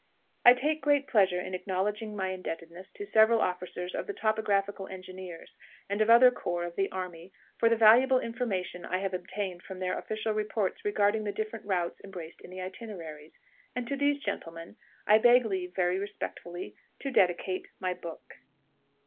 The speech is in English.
I take great pleasure in acknowledging my indebtedness to several officers of the Topographical Engineers and of other corps of the army for the valuable information I have obtained from their official reports regarding the different routes embraced in the itineraries, and to these gentlemen I beg leave very respectfully to dedicate my book.